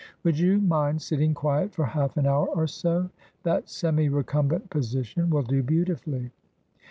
Would you mind sitting quiet for half an hour or so ? That semi recumbent position wiU do beautifully.'